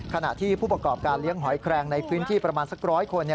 ขณะที่ผู้ประกอบการเลี้ยงหอยแครงในพื้นที่ประมาณสัก๑๐๐คน